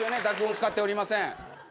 濁音使っておりません。